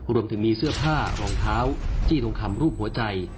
รวมถึงมีเสื้อผ้ารองเท้าจี้ทองคำรูปหัวใจ